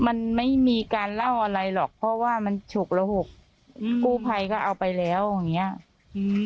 มันไม่มีการเล่าอะไรหรอกเพราะว่ามันฉุกระหกอืมกู้ภัยก็เอาไปแล้วอย่างเงี้ยอืม